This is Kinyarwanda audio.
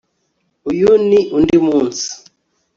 Uyu ni undi munsi